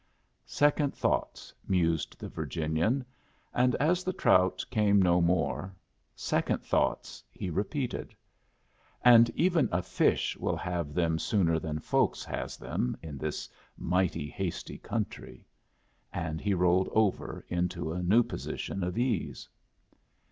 "Second thoughts," mused the Virginian; and as the trout came no more, "Second thoughts," he repeated; "and even a fish will have them sooner than folks has them in this mighty hasty country." And he rolled over into a new position of ease.